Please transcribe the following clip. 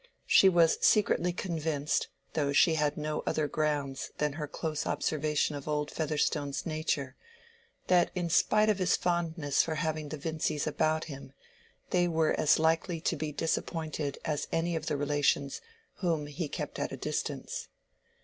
She was secretly convinced, though she had no other grounds than her close observation of old Featherstone's nature, that in spite of his fondness for having the Vincys about him, they were as likely to be disappointed as any of the relations whom he kept at a distance.